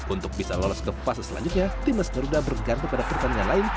untuk bisa lolos ke fase selanjutnya timnas garuda bergantung pada pertandingan lain